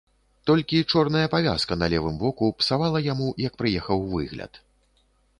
Толькі чорная павязка на левым воку псавала яму, як прыехаў, выгляд.